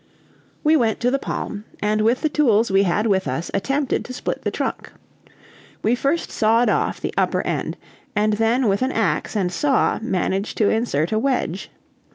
We went to the palm, and with the tools we had with us attempted to split the trunk. We first sawed off the upper end, and then with an ax and saw managed to insert a wedge.